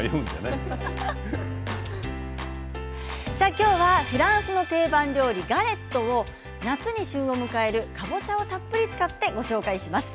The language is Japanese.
きょうはフランスの定番料理ガレットを夏に旬を迎える、かぼちゃをたっぷり使って紹介します。